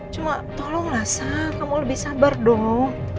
cuma tolonglah sah kamu lebih sabar dong